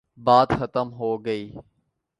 بات ختم ہو گئی۔